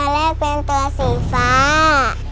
ปีหน้าหนูต้อง๖ขวบให้ได้นะลูก